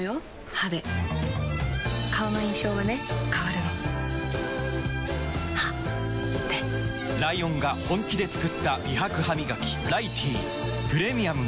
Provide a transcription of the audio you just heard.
歯で顔の印象はね変わるの歯でライオンが本気で作った美白ハミガキ「ライティー」プレミアムも